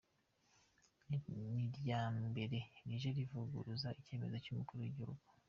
Ni irya mbere rije rivuguruza icyemezo cy’Umukuru w’Igihugu.